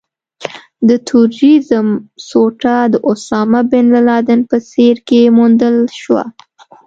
د ترورېزم سوټه د اسامه بن لادن په څېره کې وموندل شوه.